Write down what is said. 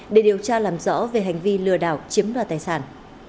để điều tra làm rõ về hành vi lừa đảo chiếm đoạt tài sản